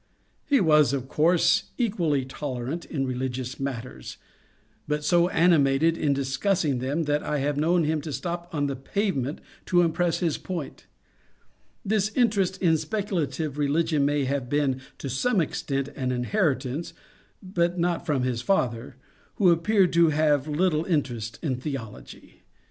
He was of course equally tolerant in religious matters, but so animated in discussing them that I have known him stop on the pavement to impress his point. This interest in specula tive religion may have been to some extent an inheritance, but not from his father, who appeared to have little interest in theology.